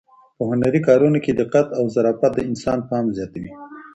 په هنري کارونو کې دقت او ظرافت د انسان پام زیاتوي.